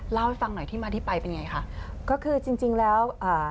เล่าให้ฟังหน่อยที่มาที่ไปเป็นไงคะก็คือจริงจริงแล้วอ่า